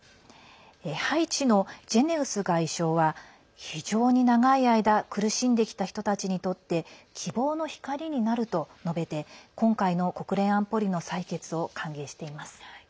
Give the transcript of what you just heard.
ハイチのジェネウス外相は非常に長い間苦しんできた人たちにとって希望の光になると述べて今回の国連安保理の採決を歓迎しています。